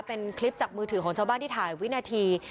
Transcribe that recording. เป็นคลิปจากมือถือของชาวบ้านที่ถ่ายวินาที